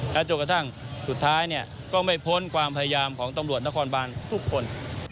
และจนกระทั่งสุดท้ายเนี่ยก็ไม่พ้นความพยายามของตำรวจนครบานทุกคน